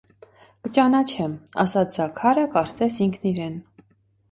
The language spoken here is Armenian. կճանաչեմ,- ասաց Զաքարը, կարծես, ինքն իրեն: